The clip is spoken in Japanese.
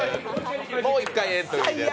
もう一回エントリーです。